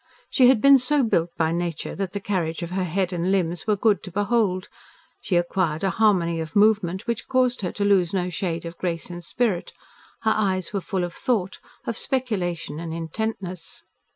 She had been so built by nature that the carriage of her head and limbs was good to behold. She acquired a harmony of movement which caused her to lose no shade of grace and spirit. Her eyes were full of thought, of speculation, and intentness.